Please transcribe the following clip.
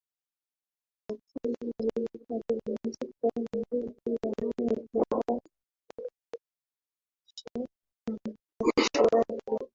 lakini aliandika Injili yaani taarifa juu ya maisha na mafundisho yake